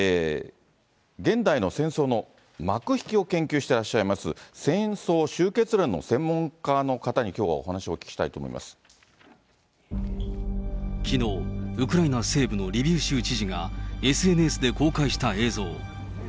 現代の戦争の幕引きを研究してらっしゃいます、戦争終結論の専門家の方に、きょうはお話をお聞きしたいと思いまきのう、ウクライナ西部のリビウ州知事が、ＳＮＳで公開した映像。